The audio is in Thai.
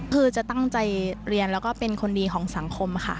คือจะตั้งใจเรียนแล้วก็เป็นคนดีของสังคมค่ะ